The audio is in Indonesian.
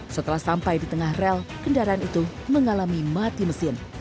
setelah sampai di tengah rel kendaraan itu mengalami mati mesin